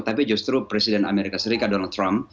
tapi justru presiden amerika serikat donald trump